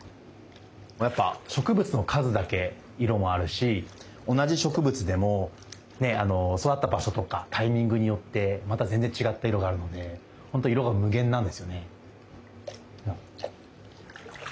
やっぱ植物の数だけ色もあるし同じ植物でもね育った場所とかタイミングによってまた全然違った色があるのでほんと色が無限なんですよね。